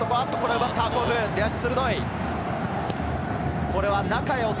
奪った甲府、出足が鋭い。